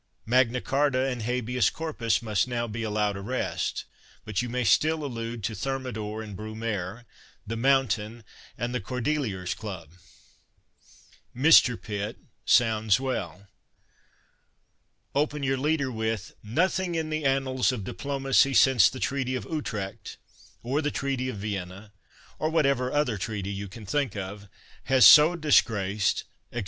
Magna Charta and Habeas Corpus must now be allowed a rest, but you may still allude to Thermidor and Brumaire, the Moim tain and the Cordeliers Club. " Mr." Pitt sounds well. Open your leader with " Nothing in the annals of diplomacy since the Treaty of Utrecht (or the Treaty of Vienna, or whatever other treaty you^ can think of) has so disgraced," &c.